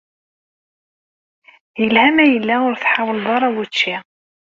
Yelha ma yella ur tḥawleḍ ara učči.